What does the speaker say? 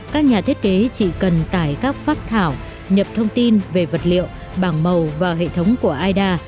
các nhà thiết kế chỉ cần tải các pháp thảo nhập thông tin về vật liệu bảng màu và hệ thống của aida